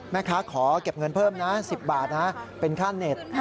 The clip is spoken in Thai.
แม่ค้าขอเก็บเงินเพิ่ม๑๐บาทเป็นค่าเน็ต